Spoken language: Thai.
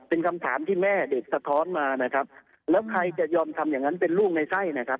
เป็นคำถามที่แม่เด็กสะท้อนมานะครับแล้วใครจะยอมทำอย่างนั้นเป็นลูกในไส้นะครับ